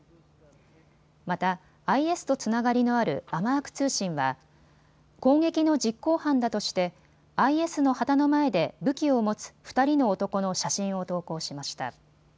また、ＩＳとつながりのあるアマーク通信は攻撃の実行犯だとしてＩＳの旗の前で武器を持つ２人の男の写真を投稿しました。